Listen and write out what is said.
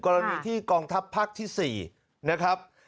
กรณีที่กองทัพภาคที่๔นะครับ